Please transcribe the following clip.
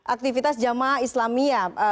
aktivitas jamaah islamiyah